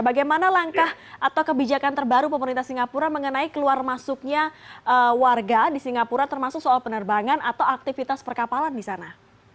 bagaimana langkah atau kebijakan terbaru pemerintah singapura mengenai keluar masuknya warga di singapura termasuk soal penerbangan atau aktivitas perkapalan di sana